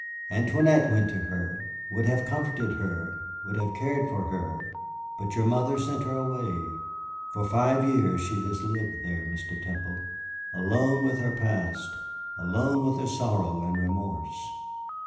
"Antoinette went to her, would have comforted her, would have cared for her, but your mother sent her away. For five years she has lived there, Mr. Temple, alone with her past, alone with her sorrow and remorse.